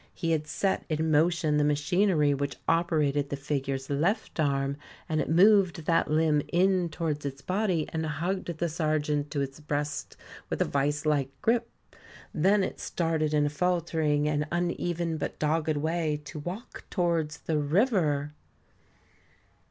He had set in motion the machinery which operated the figure's left arm, and it moved that limb in towards its body, and hugged the sergeant to its breast, with a vice like grip. Then it started in a faltering and uneven, but dogged, way to walk towards the river.